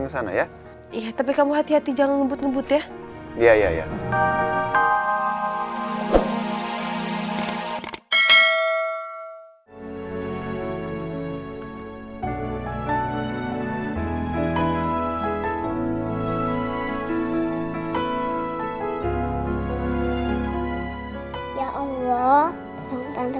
kesana ya iya tapi kamu hati hati jangan ngebut ngebut ya iya iya iya ya allah tante